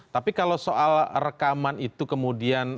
tapi kalau soal rekaman itu kemudian